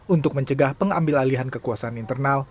untuk mencegah pengambil alihan kekuasaan internal